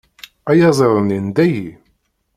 Ayaziḍ-nni n dayi?